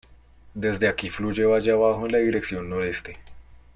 Desde aquí fluye valle abajo en dirección noreste.